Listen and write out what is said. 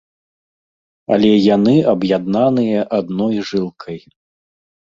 Але яны аб'яднаныя адной жылкай.